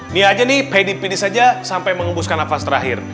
nih aja nih heide pidis aja sampai mengembuskan nafas terakhir